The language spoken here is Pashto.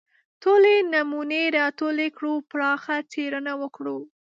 ټولې نمونې راټولې کړو پراخه څېړنه وکړو